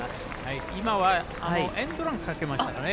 今は、エンドランかけましたかね。